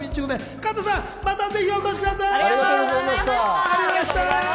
川田さん、またお越しください。